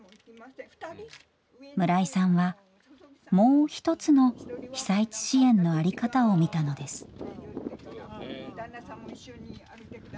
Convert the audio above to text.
村井さんは「もう一つ」の被災地支援の在り方を見たのです。